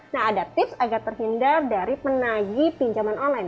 nah ada tips agar terhindar dari penagi pinjaman online